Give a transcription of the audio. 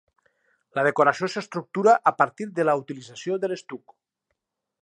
La decoració s'estructura a partir de la utilització de l'estuc.